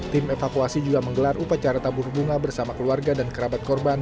tim evakuasi juga menggelar upacara tabur bunga bersama keluarga dan kerabat korban